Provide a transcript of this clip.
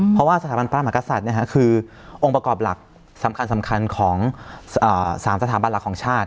เพราะว่าสถาบันพระมหากษัตริย์คือองค์ประกอบหลักสำคัญของ๓สถาบันหลักของชาติ